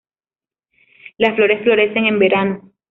Las flores florecen en verano.